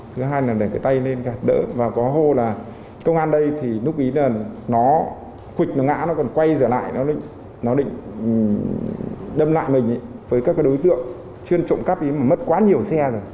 thứ hai là để cái tay lên gạt đỡ và có hô là công an đây thì nút bí là nó khuỵch nó ngã nó còn quay dở lại nó định đâm lại mình với các đối tượng chuyên trộm cắp bí mà mất quá nhiều xe rồi